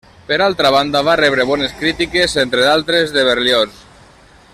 Per altra banda va rebre bones crítiques, entre d'altres de Berlioz.